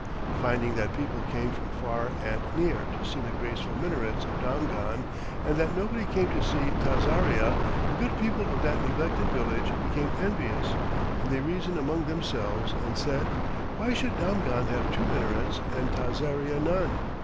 Finding that people came from far and near to see the graceful minarets of Damghan, and that nobody came to see Tazaria, the good people of that neglected village became envious, and they reasoned among themselves and said: "Why should Damghan have two minarets and Tazaria none?"